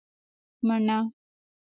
🍏 مڼه